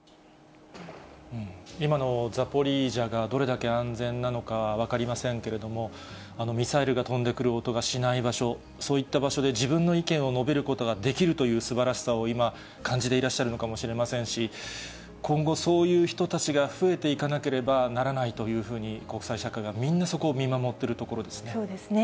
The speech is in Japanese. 今のザポリージャがどれだけ安全なのかは分かりませんけれども、ミサイルが飛んでくる音がしない場所、そういった場所で自分の意見を述べることができるというすばらしさを今、感じていらっしゃるのかもしれませんし、今後、そういう人たちが増えていかなければならないというふうに、国際社会がみんなそこを見守っているところですね。